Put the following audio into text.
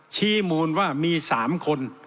ชี้มูลว่ามี๓คน